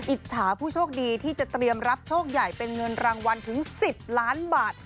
อิจฉาผู้โชคดีที่จะเตรียมรับโชคใหญ่เป็นเงินรางวัลถึง๑๐ล้านบาท